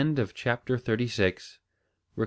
CHAPTER THIRTY SEVEN.